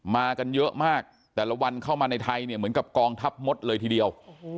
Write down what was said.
มากันเยอะมากแต่ละวันเข้ามาในไทยเนี่ยเหมือนกับกองทัพมดเลยทีเดียว